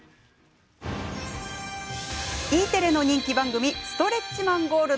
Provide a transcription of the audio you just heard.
Ｅテレの人気番組「ストレッチマン・ゴールド」。